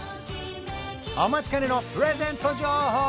お待ちかねのプレゼント情報